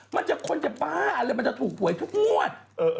มันคนจะบ้าเลยมันจะถูกโบยทุกงวด